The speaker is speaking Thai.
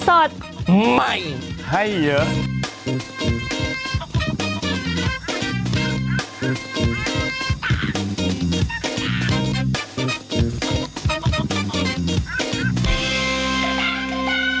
โอ้โฮต้องด่ามันคือต้องด่ามันต้องด่ามัน